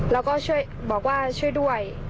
แล้วก็ช่วยบอกว่าช่วยด้วย